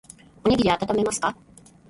おにぎりあたためますか。